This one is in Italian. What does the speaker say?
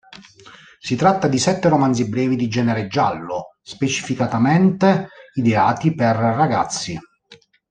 Si tratta di sette romanzi brevi di genere giallo, specificatamente ideati per ragazzi.